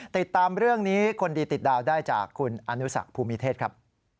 ติดตามเรื่องนี้คนดีติดดาวได้จากคุณอนุสักภูมิเทศครับ